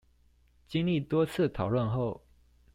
經歷多次討論後